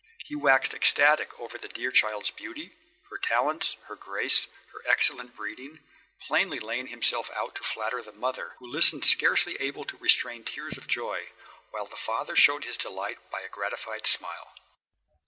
He waxed ecstatic over the dear child's beauty, her talents, her grace, her excellent breeding, plainly laying himself out to flatter the mother, who listened scarcely able to restrain tears of joy, while the father showed his delight by a gratified smile.